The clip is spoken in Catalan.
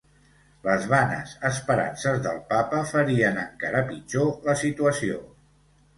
Les vanes esperances del Papa farien encara pitjor la situació.